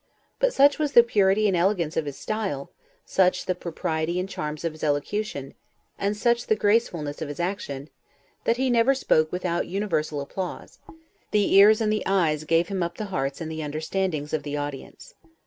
But such was the purity and elegance of his style, such the propriety and charms of his elocution, and such the gracefulness of his action, that he never spoke without universal applause; the ears and the eyes gave him up the hearts and the understandings of the audience.